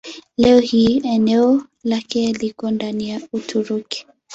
Leo hii eneo lake liko ndani ya Uturuki.